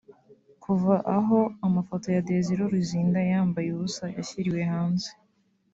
Kuva aho amafoto ya Desire Luzinda yambaye ubusa yashyiriwe hanze